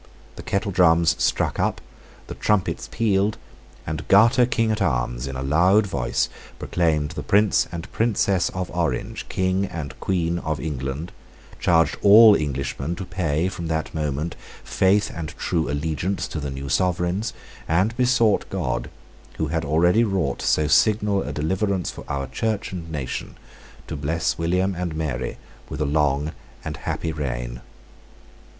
The kettle drums struck up; the trumpets pealed: and Garter King at arms, in a loud voice, proclaimed the Prince and Princess of Orange King and Queen of England, charged all Englishmen to pay, from that moment, faith and true allegiance to the new sovereigns, and besought God, who had already wrought so signal a deliverance for our Church and nation, to bless William and Mary with a long and happy reign.